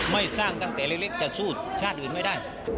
ไม่สร้างตั้งแต่เล็กแต่สู้ชาติอื่นไม่ได้